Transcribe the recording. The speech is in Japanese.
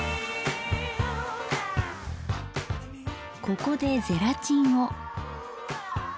ここでゼラチンを。